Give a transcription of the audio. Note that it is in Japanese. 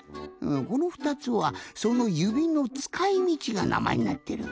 この２つはその指のつかいみちがなまえになってる。